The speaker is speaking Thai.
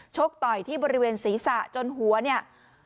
กต่อยที่บริเวณศีรษะจนหัวเนี่ย